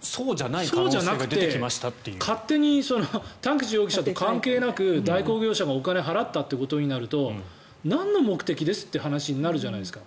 そうじゃなくて勝手に田口容疑者と関係なく代行業者がお金を払ったということになるとなんの目的ですって話になるじゃないですか。